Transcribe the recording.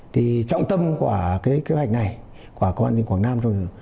trọng tâm của kế hoạch này của công an tỉnh quảng nam